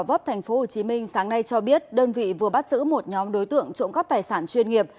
công an tp hồ chí minh sáng nay cho biết đơn vị vừa bắt giữ một nhóm đối tượng trộm các tài sản chuyên nghiệp